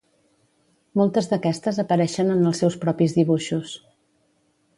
Moltes d'aquestes apareixen en els seus propis dibuixos.